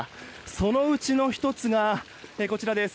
そのうちの１つがこちらです